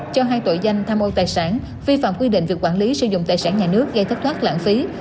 cho hai tội danh tham ô tài sản vi phạm quy định về quản lý sử dụng tài sản nhà nước gây thất thoát lãng phí